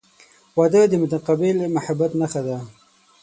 • واده د متقابل محبت نښه ده.